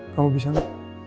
kamu bisa gak